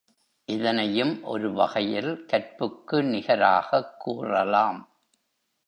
இதனையும் ஒருவகையில் கற்புக்கு நிகராகக் கூறலாம்.